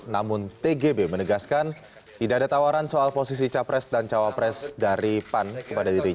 namun tgb menegaskan tidak ada tawaran soal posisi capres dan cowok